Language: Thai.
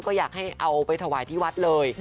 ก็อยากให้เอาไปถวายที่วัดเลย